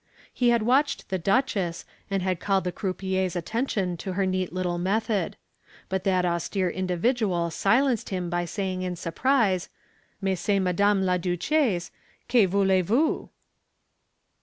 He had watched the duchess, and had called the croupier's attention to her neat little method. But that austere individual silenced him by saying in surprise, "Mais c'est madame la duchesse, que voulez vous?"